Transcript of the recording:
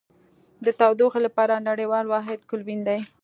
د تودوخې لپاره نړیوال واحد کلوین دی.